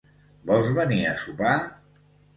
Vols venir a sopar?